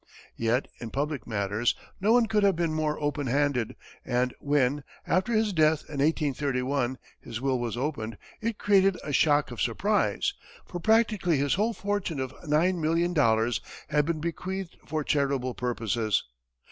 Yet in public matters no one could have been more open handed, and when, after his death in 1831, his will was opened, it created a shock of surprise, for practically his whole fortune of $9,000,000 had been bequeathed for charitable purposes.